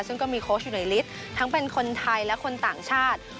ซึ่งก็มีโค้ชอยู่ในลิตรทั้งเป็นคนไทยและคนต่างชาติ